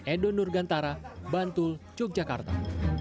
edo nurgantara bantul yogyakarta